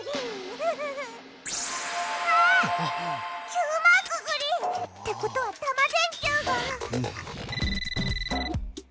Ｑマークぐり！ってことはタマ電Ｑが。